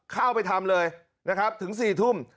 เข้าไปทำเลยถึง๔ทุ่ม